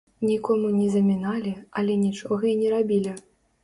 Нікому не заміналі, але нічога й не рабілі.